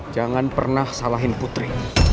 jangan pernah salahin putri